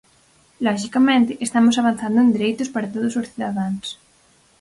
Loxicamente, estamos avanzando en dereitos para todos os cidadáns.